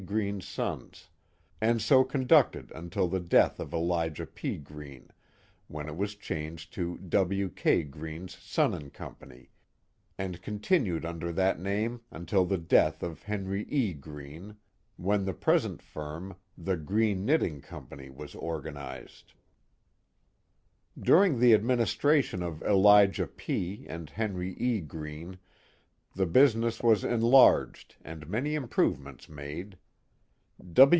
Greene's Sons, and so conducted until the death of Elijah P. Greene, when it was changed to W. K. Greene's Son & Co., and con tinued under that name until the death of Henry E. Greene, when the present firm, The Greene Knitting Co. was organized. 34° The Mohawk Valley ^^^| During the administration of Elijah P. and Henry E. I Greene, the business was enlarged and many improvements made.